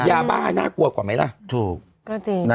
ยาบล่าน่ากลัวกว่าได้ไหมละ